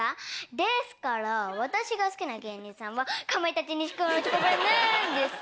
ですから私が好きな芸人さんはかまいたち錦鯉チョコプラなんです。